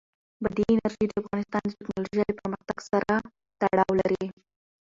بادي انرژي د افغانستان د تکنالوژۍ له پرمختګ سره تړاو لري.